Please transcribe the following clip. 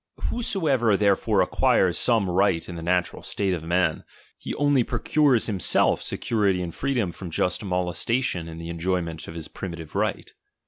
"Whosoever therefore acquires some right in the natural state of men, he only procures himself security and free dom from just molestation in the enjoyment of his primitive right.